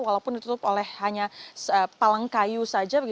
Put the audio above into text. walaupun ditutup oleh hanya palang kayu saja